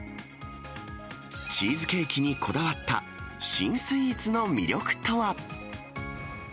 チーズケーキにこだわった新スイーツの魅力とは。